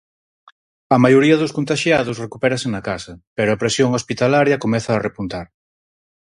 A maioría dos contaxiados recupérase na casa, pero a presión hospitalaria comeza a repuntar.